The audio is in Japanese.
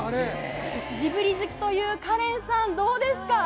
ジブリ好きというカレンさん、どうですか？